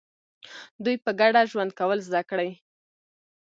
دوی په ګډه ژوند کول زده کړي.